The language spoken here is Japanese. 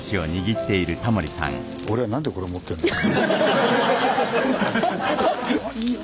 俺は何でこれ持ってるんだろう。